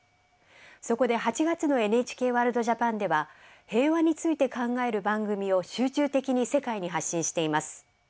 そこで８月の「ＮＨＫワールドＪＡＰＡＮ」では平和について考える番組を集中的に世界に発信しています。